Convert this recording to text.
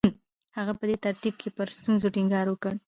هغه په دې ترکیب کې پر ستونزو ټینګار وکړ